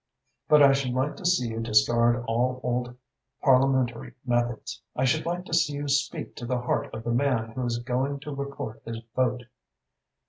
But I should like to see you discard all old parliamentary methods. I should like to see you speak to the heart of the man who is going to record his vote."